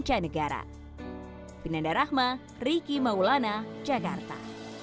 jangan lupa untuk berlangganan di kancah negara